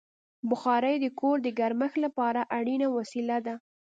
بخاري د کور د ګرمښت لپاره اړینه وسیله ده.